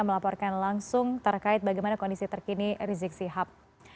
melaporkan langsung terkait bagaimana kondisi terkini rizik sihab